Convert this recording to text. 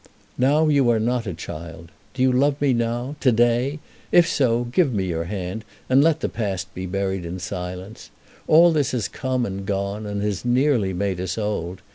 "Now you are not a child. Do you love me now, to day? If so, give me your hand, and let the past be buried in silence. All this has come, and gone, and has nearly made us old.